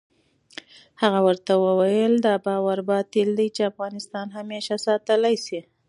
هغه وویل، دا باور باطل دی چې افغانستان همېشه ساتلای شي.